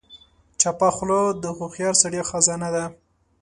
چپه خوله، د هوښیار سړي خزانه ده.